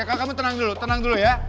iya iya iya kamu tenang dulu tenang dulu ya